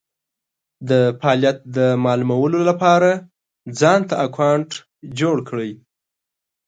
دفعالیت د مالومولو دپاره ځانته اکونټ جوړ کړی